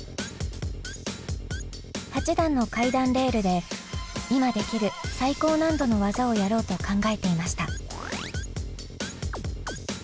８段の階段レールで今できる最高難度の技をやろうと考えていました。